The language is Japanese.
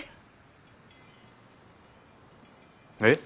えっ。